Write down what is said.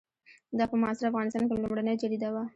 دا په معاصر افغانستان کې لومړنۍ جریده وه.